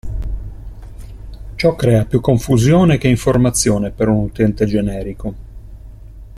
Ciò crea più confusione che informazione per un utente generico.